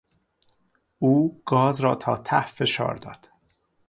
او گاز را تا ته فشار داد.